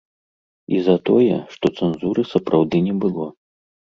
І за тое, што цэнзуры сапраўды не было.